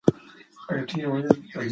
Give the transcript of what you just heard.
ماشوم په راتلونکي کې پرېکړې نه شي کولای.